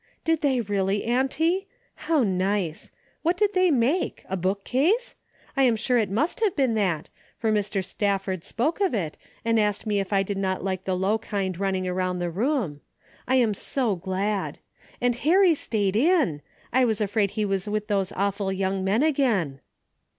''Did they really, auntie? How nice! AVhat did they make? A bookcase? I am sure it must have been that, for Mr. Stafford spoke of it, and asked me if I did not like the low kind running around the room. I am so glad. And Harry stayed in ! I was afraid he was with those awful young men again."